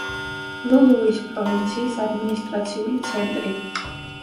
ლულუის პროვინციის ადმინისტრაციული ცენტრი.